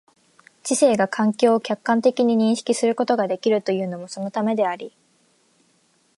知性が環境を客観的に認識することができるというのもそのためであり、